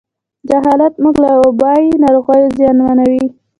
جهالت موږ له وبایي ناروغیو زیانمنوي.